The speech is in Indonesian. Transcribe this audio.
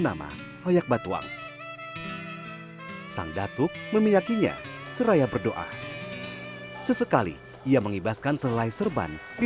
nama hoyak batuang sang datuk memiyakinya seraya berdoa sesekali ia mengibaskan selai serban di